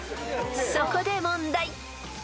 ［そこで問題］